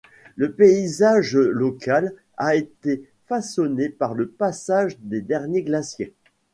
Le paysage local a été façonné par le passage des derniers glaciers.